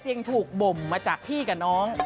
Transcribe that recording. เจ๊เตียงถูกบ่มมาจากพี่กับน้อง